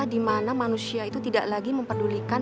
dimana manusia itu tidak lagi memperdulikan